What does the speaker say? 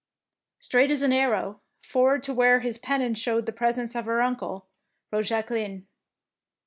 Straight as an arrow, forward to where his pennon showed the presence of her uncle, rode Jacqueline.